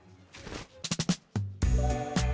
kawah rengganis di kelola